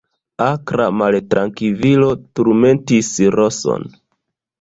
Akra maltrankvilo turmentis Roson.